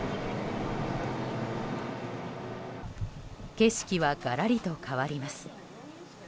景色はがらりと変わります。